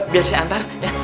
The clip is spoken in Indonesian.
biar saya antar ya